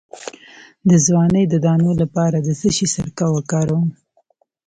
د ځوانۍ د دانو لپاره د څه شي سرکه وکاروم؟